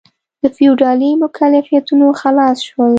د فیوډالي مکلفیتونو خلاص شول.